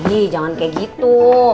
ih jangan kayak gitu